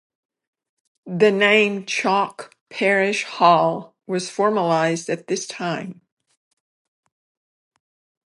The name "Chalk Parish Hall" was formalised at this time.